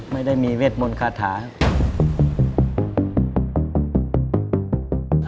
ไม่ได้มีเวทมนต์คาถาครับ